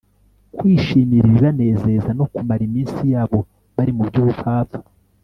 kwishimira ibibanezeza, no kumara iminsi yabo bari mu by'ubupfapfa